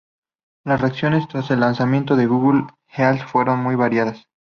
Las reacciones tras el lanzamiento de Google Health fueron muy variadas.